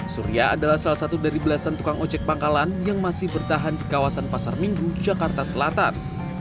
surya adalah salah satu dari belasan tukang ojek pangkalan yang masih bertahan di kawasan pasar minggu jakarta selatan